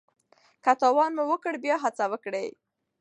که تاوان مو وکړ بیا هڅه وکړئ.